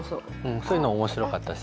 そういうのも面白かったし。